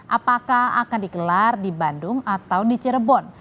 apakah akan dikelar di bandung atau di cirebon